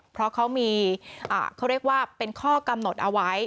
เพราะเขามีเขาเรียกว่าเป็นข้อกำหนดเอาไว้